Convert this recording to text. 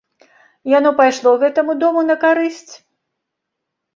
Яно пайшло гэтаму дому на карысць?